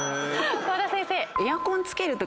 和田先生。